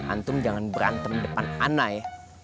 antum jangan berantem depan ana ya